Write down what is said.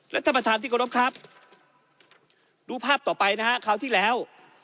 ท่านประธานที่กรบครับดูภาพต่อไปนะฮะคราวที่แล้ว